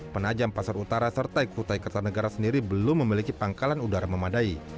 penajam pasar utara serta kutai kartanegara sendiri belum memiliki pangkalan udara memadai